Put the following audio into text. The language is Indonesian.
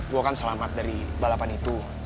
gue kan selamat dari balapan itu